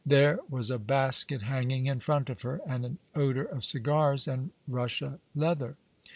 There was a basket hanging in front of her, and an odour of cigars and Russia leather.